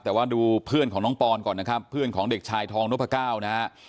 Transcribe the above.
แต่ว่าดูเพื่อนของน้องปอนก่อนนะครับเพื่อนของเด็กชายทองนพก้าวนะฮะ